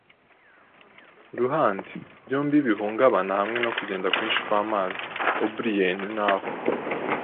ruhande, byombi bihungabana hamwe no kugenda kwinshi kwamazi. O'Brien, naho